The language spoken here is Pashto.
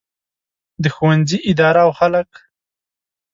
د ښوونځي اداره او خلک.